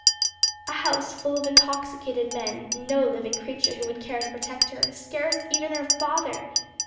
A house full of intoxicated men, no living creature who would care to protect her, scarce even her father!